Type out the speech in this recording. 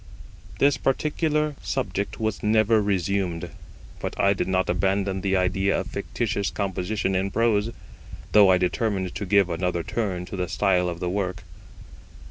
This particular subject was never resumed, but I did not abandon the idea of fictitious composition in prose, though I determined to give another turn to the style of the work.